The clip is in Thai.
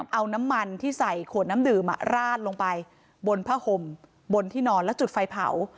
เอาน้ำมันที่ใส่ขวดน้ำดื่มราดลงไปบนผ้าห่มบนที่นอนแล้วจุดไฟเผา